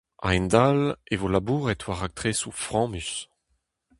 A-hend-all e vo labouret war raktresoù frammus.